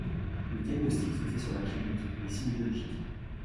Le diagnostic se fait sur la clinique et les signes biologiques.